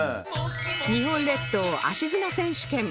日本列島足砂選手権